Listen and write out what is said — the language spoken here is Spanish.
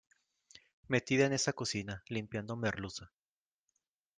metida en esa cocina, limpiando merluza.